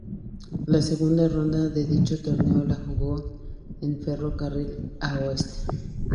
La segunda ronda de dicho torneo la jugó en Ferro Carril Oeste.